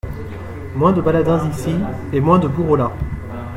Moins de baladins ici, et moins de bourreaux là.